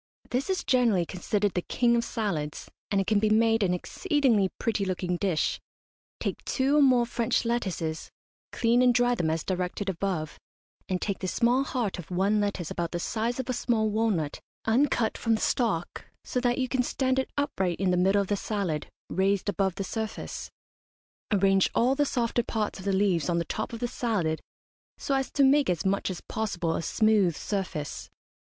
This is generally considered the king of salads, and it can be made an exceedingly pretty looking dish, Take two or more French lettuces, clean and dry them as directed above, and take the small heart of one lettuce about the size of a small walnut, uncut from the stalk, so that you can stand it upright in the middle of the salad, raised above the surface. Arrange all the softer parts of the leaves on the top of the salad so as to make as much as possible a smooth surface.